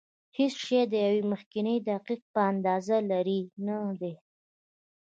هېڅ شی د یوې مخکنۍ دقیقې په اندازه لرې نه دی.